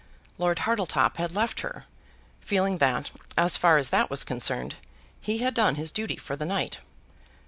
Lord Hartletop had left her, feeling that, as far as that was concerned, he had done his duty for the night.